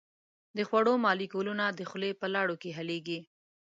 د خوړو مالیکولونه د خولې په لاړو کې حلیږي.